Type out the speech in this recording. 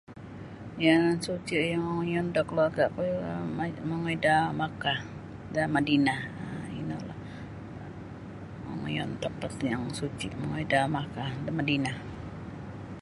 Yanan suci' yang ongoiyon da kaluarga'ku um mongoi da Makah da Madinah inolah ongoiyon tampat yang suci' mongoi da Makah da Madinah.